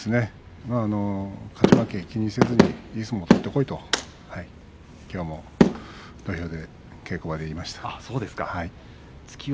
勝ち負けにかかわらずいい相撲を取ってこいときょうも稽古場で言いました。